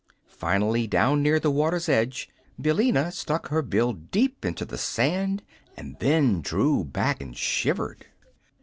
Finally, down near the water's edge, Billina stuck her bill deep into the sand, and then drew back and shivered.